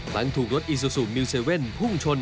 หลังถูกรถอิซูซูมิว๗พุ่งชน